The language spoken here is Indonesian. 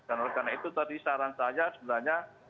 oleh karena itu tadi saran saya sebenarnya